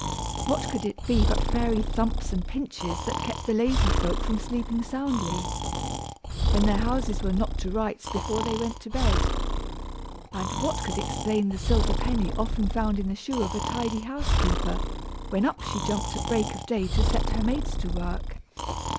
What could it be but fairy thumps and pinches that kept the lazy folk from sleeping soundly, when their houses were not to rights before they went to bed. And what could explain the silver penny often found in the shoe of a tidy housekeeper, when up she jumped at break of day to set her maids to work?